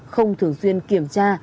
không thường xuyên kiểm tra